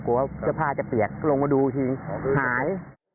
กลัวสะพาจะเตียบก็ลงมาดูชีวิตหาย